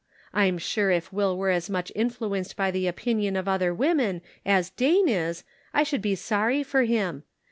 I'm sure if Will were as much influenced by the opinion of other women as Dane is, I should be sorry for him.